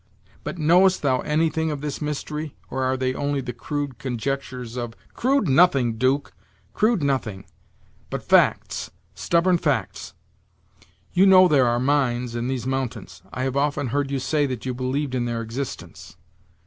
But knowest thou anything of this mystery, or are they only the crude conjectures of " "Crude nothing, 'Duke, crude nothing: but facts, stubborn facts. You know there are mines in these mountains; I have often heard you say that you believed in their existence."